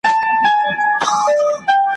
عدالت چي وي په لاس د شرمښانو ,